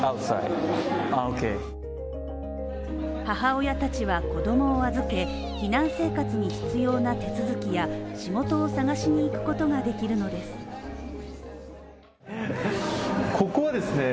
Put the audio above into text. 母親たちは子供を預け、避難生活に必要な手続きや仕事を探しに行くことができるのです。